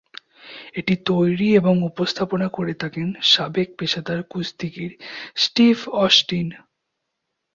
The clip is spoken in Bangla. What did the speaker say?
এটি তৈরি এবং উপস্থাপনা করে থাকেন সাবেক পেশাদার কুস্তিগির স্টিভ অস্টিন।